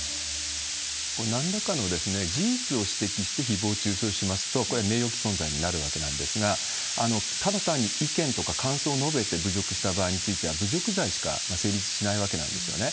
なんらかの事実を指摘してひぼう中傷しますと、これは名誉棄損罪になるわけなんですが、ただたんに意見とか感想を述べて侮辱した場合については、侮辱罪しか成立しないわけなんですよね。